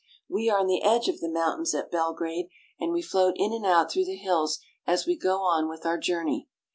We are on the edge of the mountains at Belgrade, and we float in and out through the hills as we go on with our journey.